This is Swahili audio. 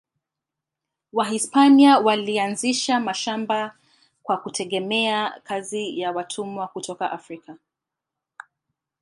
Wahispania walianzisha mashamba kwa kutegemea kazi ya watumwa kutoka Afrika.